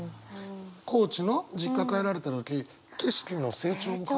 高知の実家帰られた時景色の成長。